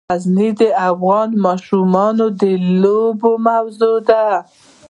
غزني د افغان ماشومانو د لوبو موضوع ده.